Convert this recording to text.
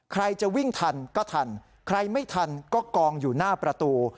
ใครจะวิ่งทันก็ทันใครไม่ทันก็กองอยู่หน้าประตู